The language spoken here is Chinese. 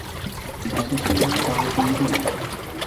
还是只能搭终电